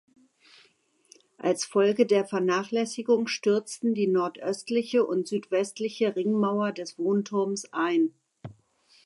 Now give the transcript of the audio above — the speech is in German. Als Folge der Vernachlässigung stürzten die nordöstliche und südwestliche Ringmauer des Wohnturms ein.